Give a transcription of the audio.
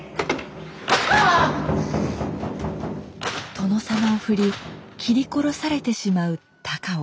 殿様をふり斬り殺されてしまう高尾。